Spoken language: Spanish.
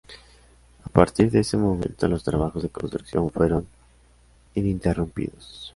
A partir de ese momento, los trabajos de construcción fueron ininterrumpidos.